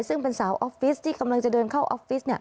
ซึ่งเป็นสาวออฟฟิศที่กำลังจะเดินเข้าออฟฟิศ